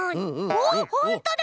おほんとだ！